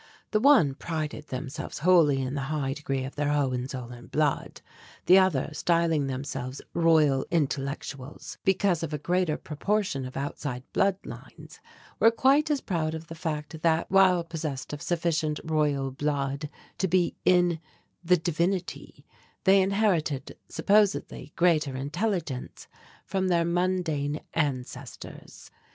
The one prided themselves wholly in the high degree of their Hohenzollern blood; the other, styling themselves "Royal Intellectuals" because of a greater proportion of outside blood lines, were quite as proud of the fact that, while possessed of sufficient royal blood to be in "the divinity," they inherited supposedly greater intelligence from their mundane ancestors.